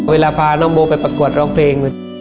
เวลาพาน้องโบไปประกวดร้องเพลง